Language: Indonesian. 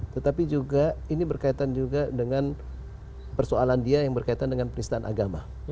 tetapi juga ini berkaitan juga dengan persoalan dia yang berkaitan dengan peristahan agama